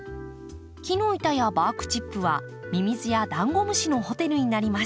木の板やバークチップはミミズやダンゴムシのホテルになります。